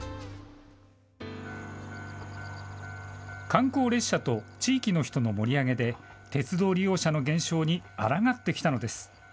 観光列車と地域の人の盛り上げで鉄道利用者の減少にあらがってきたのです。